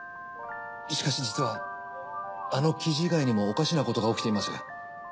しかし実はあの記事以外にもおかしなことが起きています。